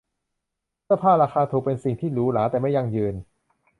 เสื้อผ้าราคาถูกเป็นสิ่งที่หรูหราแต่ไม่ยั่งยืน